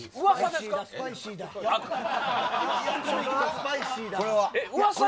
スパイシーだ。